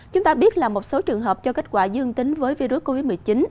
chúng ta biết là một số trường hợp cho kết quả dương tính với virus covid một mươi chín